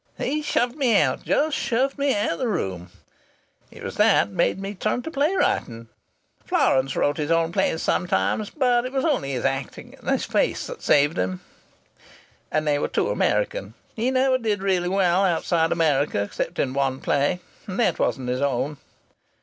"He shoved me out just shoved me out of the room.... It was that that made me turn to play writing. Florance wrote his own plays sometimes, but it was only his acting and his face that saved them. And they were too American. He never did really well outside America except in one play, and that wasn't his own.